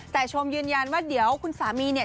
แต่ชมยืนยันว่าเดี๋ยวคุณสามีเนี่ย